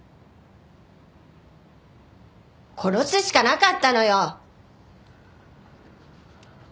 殺すしかなかったのよ！